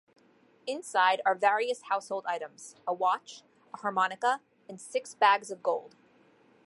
Inside are various household items, a watch, a harmonica, and six bags of gold.